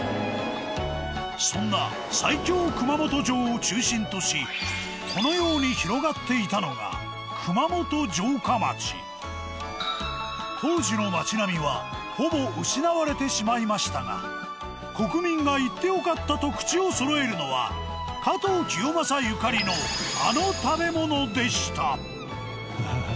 そんな最強熊本城を中心としこのように広がっていたのが当時の町並みはほぼ失われてしまいましたが国民が行って良かったと口をそろえるのは加藤清正ゆかりのあの食べ物でした。